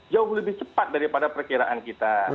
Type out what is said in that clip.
jauh lebih cepat daripada perkiraan kita